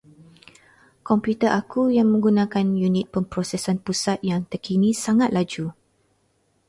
Komputer aku yang menggunakan unit pemprosesan pusat yang terkini sangat laju.